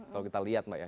kalau kita lihat mbak ya